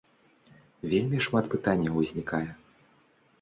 Вельмі шмат пытанняў узнікае.